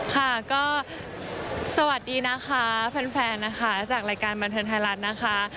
ค่ะก็สวัสดีนะคะแฟนนะคะจากรายการบันเทิงไทยรัฐนะคะ